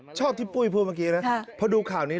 ชอบที่ปุ้ยพูดเมื่อกี้นะพอดูข่าวนี้